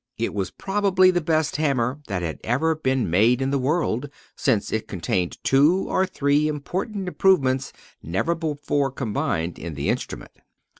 It was probably the best hammer that had ever been made in the world, since it contained two or three important improvements never before combined in the instrument.